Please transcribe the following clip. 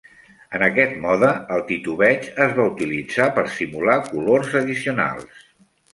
En aquest mode, el titubeig es va utilitzar per simular colors addicionals.